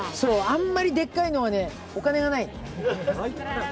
あんまりでっかいのはねお金がない。